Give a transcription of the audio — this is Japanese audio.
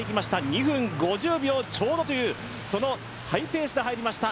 ２分５０秒ちょうどというそのハイペースで入りました。